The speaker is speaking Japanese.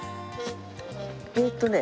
えっとね。